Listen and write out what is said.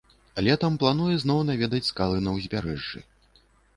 Летам плануе зноў наведаць скалы на ўзбярэжжы.